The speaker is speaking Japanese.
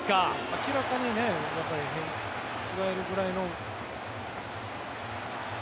明らかに覆るくらいの。